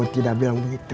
tidak bilang begitu